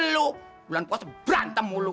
lo bulan puasa berantem mulu